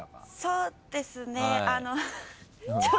そうですねあの。